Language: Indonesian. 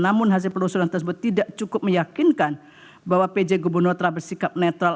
namun hasil penelusuran tersebut tidak cukup meyakinkan bahwa pj gubernur telah bersikap netral